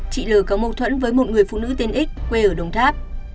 chị l có mâu thuẫn với một người phụ nữ tên x quê ở đồng tháp